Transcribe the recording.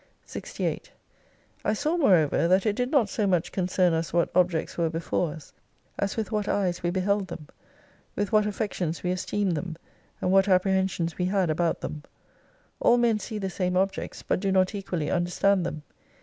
68 I saw moreover that it did not so much concern us what objects were before us, as with what eyes we be held them, with what affections we esteemed them, and what apprehensions we had about them. All men see the same objects, but do not equally understand them.